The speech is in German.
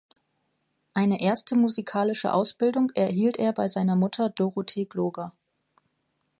Eine erste musikalische Ausbildung erhielt er bei seiner Mutter Dorothee Gloger.